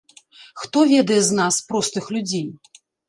Хто ведае з нас, простых людзей.